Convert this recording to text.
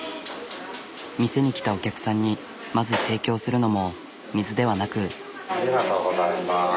店に来たお客さんにまず提供するのも水ではなく。